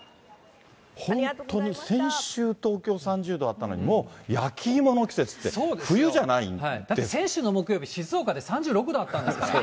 本当に先週、東京３０度あったのに、もう焼き芋の季節って、先週の木曜日、静岡で３６度あったんですから。